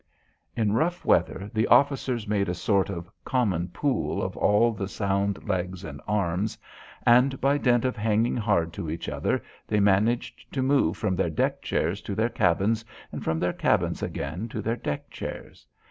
In rough weather, the officers made a sort of a common pool of all the sound legs and arms, and by dint of hanging hard to each other they managed to move from their deck chairs to their cabins and from their cabins again to their deck chairs.